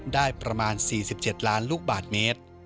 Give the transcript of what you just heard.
ได้ประมาณ๔๗ล้านลูกบาทเมตร